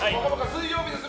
水曜日です。